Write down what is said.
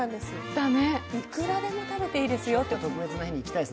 いくらでも食べていいですよと。